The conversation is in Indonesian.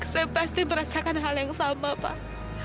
saya pasti merasakan hal yang sama pak